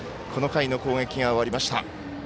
この回の攻撃が終わりました。